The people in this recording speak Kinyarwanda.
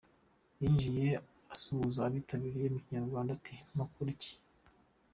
Yinjiye asuhuza abitabiriye mu Kinyarwanda ati “Amakuru ki?